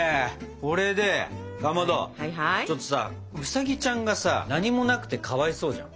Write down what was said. これでかまどちょっとさウサギちゃんがさ何もなくてかわいそうじゃん。